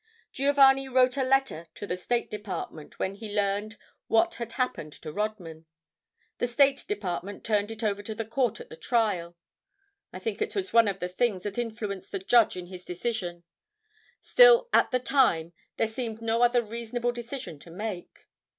Giovanni wrote a letter to the State Department when he learned what had happened to Rodman. The State Department turned it over to the court at the trial. I think it was one of the things that influenced the judge in his decision. Still, at the time, there seemed no other reasonable decision to make.